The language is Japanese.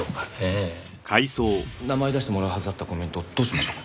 名前出してもらうはずだったコメントどうしましょうか？